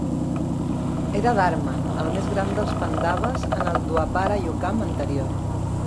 Era Dharmar, el més gran dels pandaves en el Dwapara Yukam anterior.